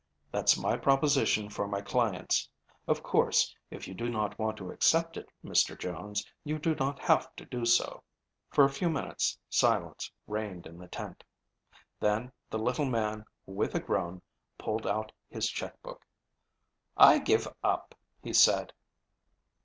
That's my proposition for my clients. Of course, if you do not want to accept it, Mr. Jones, you do not have to do so." For a few minutes silence reigned in the tent. Then the little man, with a groan, pulled out his checkbook. "I give up," he said.